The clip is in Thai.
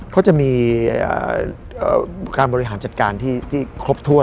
เขาจะมีการบริหารจัดการที่ครบถ้วน